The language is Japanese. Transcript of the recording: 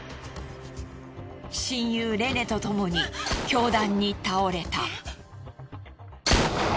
親友レネとともに凶弾に倒れた。